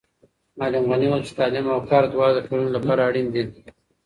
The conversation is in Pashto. معلم غني وویل چې تعلیم او کار دواړه د ټولنې لپاره اړین دي.